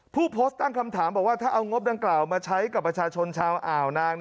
ผู้โพสต์ตั้งคำถามบอกว่าถ้าเอางบดังกล่าวมาใช้กับประชาชนชาวอ่าวนาง